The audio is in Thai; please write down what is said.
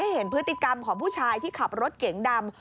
เห็นพฤติกรรมของผู้ชายที่ขับรถเก๋งดำ